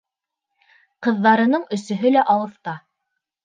Ҡыҙҙарының өсөһө лә алыҫта.